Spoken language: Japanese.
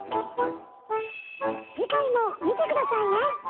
次回も見て下さいね！